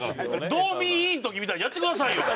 ドーミーインの時みたいにやってくださいよ！